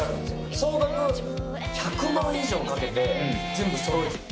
総額１００万以上かけて全部そろえて。